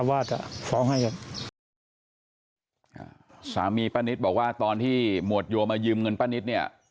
ว่าจะฟ้องให้ครับอ่าสามีป้านิตบอกว่าตอนที่หมวดโยมายืมเงินป้านิตเนี่ย